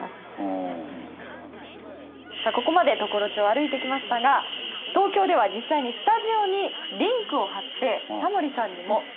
さあここまで常呂町を歩いてきましたが東京では実際にスタジオにリンクを張ってタモリさんにもカーリングに挑戦していただこうと。